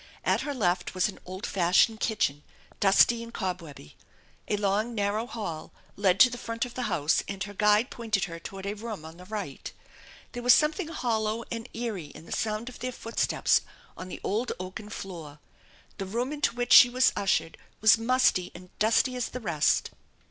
At her left was an old fashioned kitchen, dusty and cobwebby. A long, narrow hall led to the front of the nouse and her guide pointed her toward a room on tha right. There was something hollow and eerie in the sound of their footsteps on the old oaken floor. The room into which she was ushered was musty and dusty as the rest.